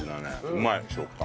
うまい食感。